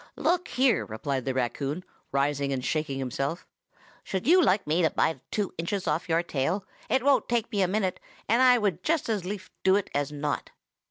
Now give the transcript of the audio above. "Look here!" replied the raccoon, rising and shaking himself, "should you like me to bite about two inches off your tail? It won't take me a minute, and I would just as lief do it as not."